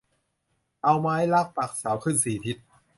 เอาไม้รักปักเสาขึ้นสี่ทิศ